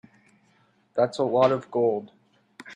That's a lot of gold.